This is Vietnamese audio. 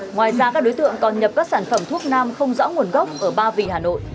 ngoài ra các đối tượng còn nhập các sản phẩm thuốc nam không rõ nguồn gốc ở ba vì hà nội